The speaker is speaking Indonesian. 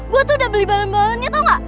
gue tuh udah beli balon balonnya tuh gak